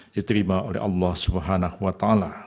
diterima oleh allah swt